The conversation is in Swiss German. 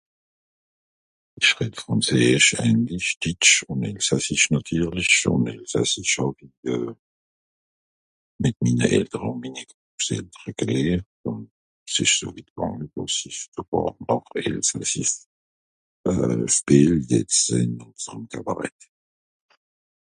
Ich redd Frànzeesch, Englisch, Ditsch ùn Elsassisch nàtierlich. Ùn Elsassisch hàw i euh mìt minne Eltere un Grosseltere gelehrt, un es isch so witt gànge, dàss ich sogàr noch Elsassisch euh spiel jetz ìn ùnserem Kabarett